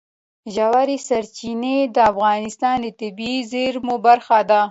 ژورې سرچینې د افغانستان د طبیعي زیرمو برخه ده.